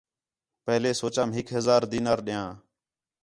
پہلے سوچام ہِک ہزار دینار ݙیاں